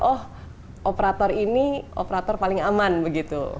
oh operator ini operator paling aman begitu